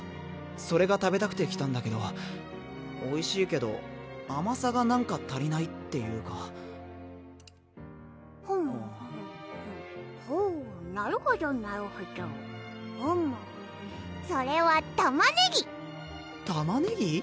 それが食べたくて来たんだけどおいしいけどあまさがなんか足りないっていうかほうなるほどなるほどふむそれはたまねぎ！たまねぎ？